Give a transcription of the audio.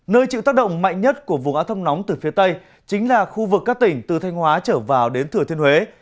nơi chịu tác động mạnh nhất của vùng át thâm nóng từ phía tây chính là khu vực các tỉnh từ thanh hóa trở vào đến thừa thiên huế